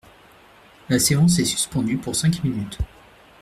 La séance est suspendue pour cinq minutes.